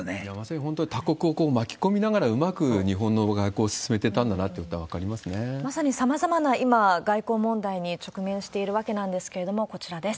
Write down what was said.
本当に他国を巻き込みながらうまく日本の外交を進めていたんまさにさまざまな今、外交問題に直面しているわけなんですけれども、こちらです。